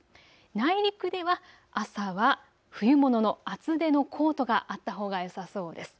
内陸では朝は冬物の厚手のコートがあったほうがよさそうです。